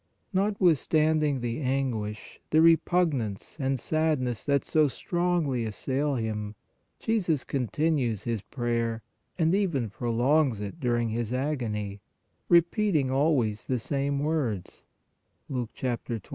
Notwithstanding the anguish, the repugnance and sadness that so strongly assail Him, Jesus continues His prayer and even prolongs it during His agony, repeating always the same words (Luke 22.